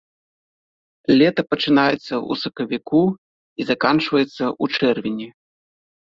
Лета пачынаецца ў сакавіку і заканчваецца ў чэрвені.